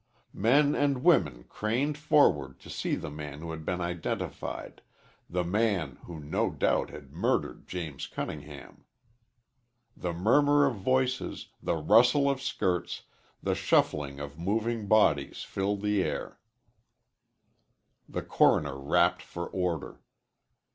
Men and women craned forward to see the man who had been identified, the man who no doubt had murdered James Cunningham. The murmur of voices, the rustle of skirts, the shuffling of moving bodies filled the air. The coroner rapped for order.